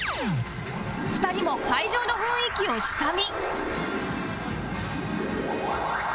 ２人も会場の雰囲気を下見